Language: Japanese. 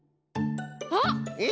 あっ！